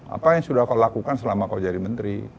apa yang sudah kau lakukan selama kau jadi menteri